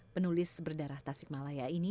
penulis berdarah tasik malaya ini